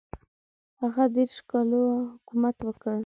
هغه دېرش کاله حکومت وکړ.